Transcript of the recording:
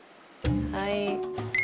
はい。